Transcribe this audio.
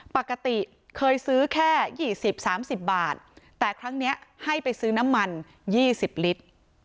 ปกติเคยซื้อแค่ยี่สิบสามสิบบาทแต่ครั้งเนี้ยให้ไปซื้อน้ำมันยี่สิบลิตร